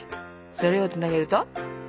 それをつなげると？